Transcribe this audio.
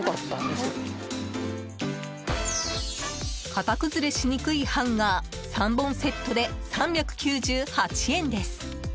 型崩れしにくいハンガー３本セットで３９８円です。